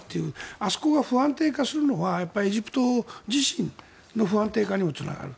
あそこが不安定化するのはエジプト自身の不安定化にもつながる。